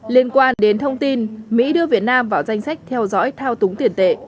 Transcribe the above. liên quan đến thông tin mỹ đưa việt nam vào danh sách theo dõi thao túng tiền tệ